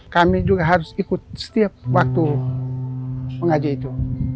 kami juga harus ikut setiap waktu mengaji itu